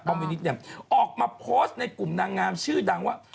ป้อมวินิตออกมาโพสต์ในกลุ่มนางงามชื่อดังว่า